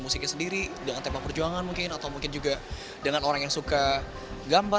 musiknya sendiri dengan tema perjuangan mungkin atau mungkin juga dengan orang yang suka gambar